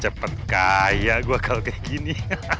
cepet kaya gue kalau kayak gini